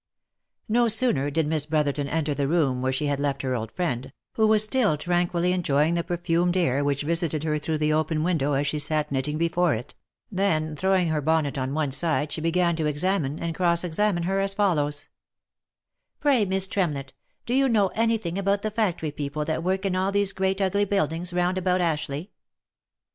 No sooner did Miss Brotherton enter the room where she had left her old friend, who was still tranquilly enjoying the perfumed air which visited her through the open window as she sat knitting before it, than throwing her bonnet on one side, she began to examine, and cross examine her as follows :" Pray, Mrs. Tremlett, do you know any thing about the factory people that work in all these great ugly buildings round about Ash leigh